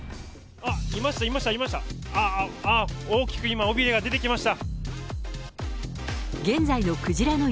あっ、ああ、大きく今、尾びれが出てきました。